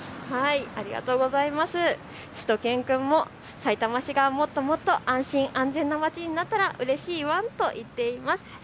しゅと犬くんも、さいたま市がもっと安心安全な街になったらうれしいワンと言っています。